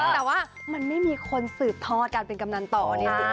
แต่ว่ามันไม่มีคนสืบทอดการเป็นกำนันต่อเนี่ย